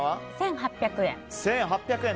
１８００円。